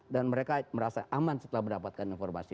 dan mereka merasa aman setelah mendapatkan informasi